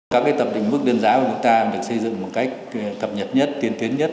các cái tầm đỉnh bức đơn giá của chúng ta được xây dựng một cách cập nhật nhất tiên tiến nhất